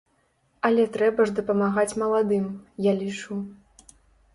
Але трэба ж дапамагаць маладым, я лічу.